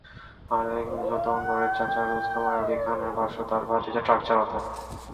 আরেক নিহত ওমরের চাচা রুস্তম আলী খানের ভাষ্য, তাঁর ভাতিজা ট্রাক চালাতেন।